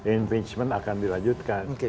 imping akan dilanjutkan